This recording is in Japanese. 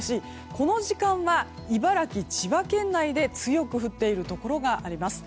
この時間は茨城、千葉県内で強く降っているところがあります。